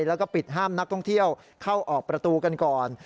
แล้วก็ปิดห้ามนักท่องเที่ยวเข้าออกประตูกันก่อน